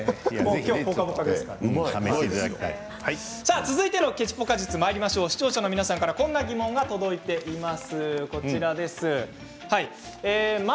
続いてのケチぽか術視聴者の皆さんからこんな疑問が届いています。